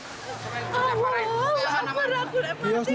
ketika api terbakar api terbakar